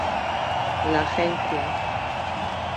La agencia.